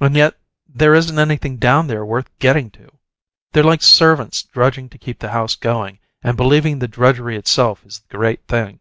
And yet there isn't anything down there worth getting to. They're like servants drudging to keep the house going, and believing the drudgery itself is the great thing.